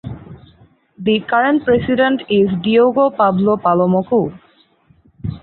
The current president is Diego Pablo Palomo Ku.